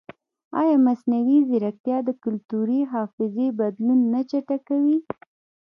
ایا مصنوعي ځیرکتیا د کلتوري حافظې بدلون نه چټکوي؟